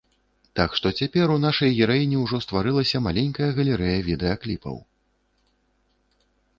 Так што цяпер у нашай гераіні ўжо стварылася маленькая галерэя відэакліпаў.